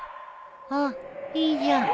あっいいじゃん